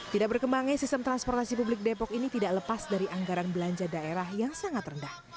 tidak berkembangnya sistem transportasi publik depok ini tidak lepas dari anggaran belanja daerah yang sangat rendah